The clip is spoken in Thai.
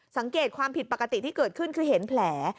สังเกตความผิดปกติที่เกิดขึ้นคือเห็นแผล